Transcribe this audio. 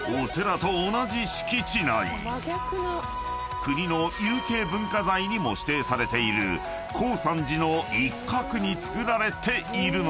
［国の有形文化財にも指定されている耕三寺の一角に造られているのだ］